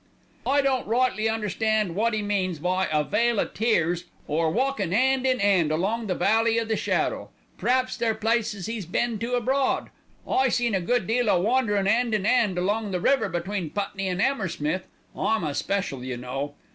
"I don't rightly understand wot 'e means by 'a vale o' tears,' or 'walkin' 'and in 'and along the valley o' the shadow.' P'raps they're places 'e's been to abroad. I seen a good deal o' wanderin' 'and in 'and along the river between Putney an' 'Ammersmith, I'm a special, you know.